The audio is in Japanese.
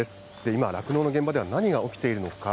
今、酪農の現場では何が起きているのか。